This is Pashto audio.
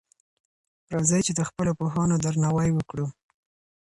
راځئ چی د خپلو پوهانو درناوی وکړو.